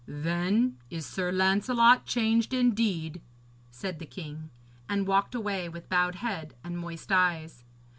'Then is Sir Lancelot changed indeed,' said the king, and walked away with bowed head and moist eyes.